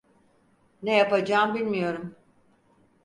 Ne yapacağım bilmiyorum.